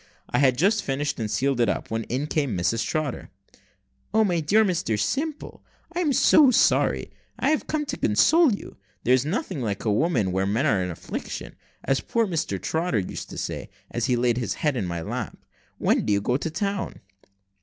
I had just finished, and sealed it up, when in came Mrs Trotter. "O my dear Mr Simple! I'm so sorry; and I have come to console you. There's nothing like women when men are in affliction, as poor Trotter used to say, as he laid his head in my lap. When do you go to town?"